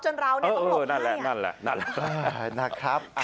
จนเราต้องหลบให้นั่นแหละ